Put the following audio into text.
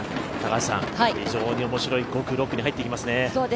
非常に面白い５区、６区に入っていきますね。